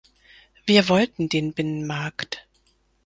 Wir wollten den Binnenmarkt.